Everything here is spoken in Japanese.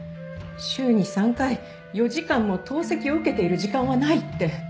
週に３回４時間も透析を受けている時間はない」って。